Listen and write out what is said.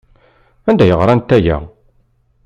Anda ay ɣrant aya?